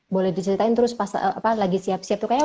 boleh diceritain terus pas lagi siap siap tuh kayaknya